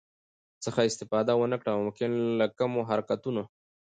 څخه استفاده ونکړم او ممکن له کمو حرکتونو